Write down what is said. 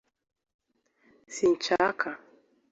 sinshaka